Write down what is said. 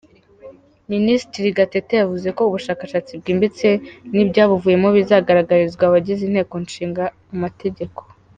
Minisitiri Gatete yavuze ko ubushakashatsi bwimbitse n’ibyabuvuyemo bizagaragarizwa abagize Inteko Ishinga Amategeko.